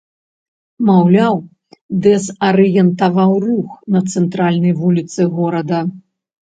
Маўляў, дэзарыентаваў рух на цэнтральнай вуліцы горада.